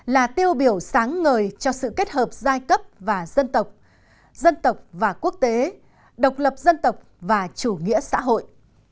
là tiêu biểu sáng ngời cho sự kết hợp giai cấp và dân tộc dân tộc và quốc tế độc lập dân tộc và chủ nghĩa xã hội